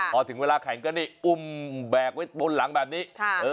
พอถึงเวลาแข่งก็นี่อุ้มแบกไว้บนหลังแบบนี้